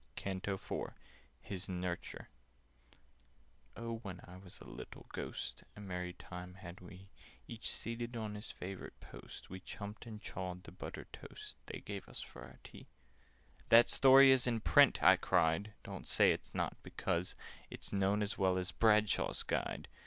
CANTO IV Hys Nouryture "OH, when I was a little Ghost, A merry time had we! Each seated on his favourite post, We chumped and chawed the buttered toast They gave us for our tea." [Picture: We chumped and chawed the buttered toast] "That story is in print!" I cried. "Don't say it's not, because It's known as well as Bradshaw's Guide!"